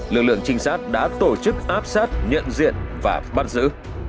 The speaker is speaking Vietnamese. lực lượng trinh sát đã tổ chức áp sát nhận diện và bắt giữ